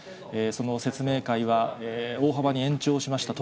その説明会は、大幅に延長しました。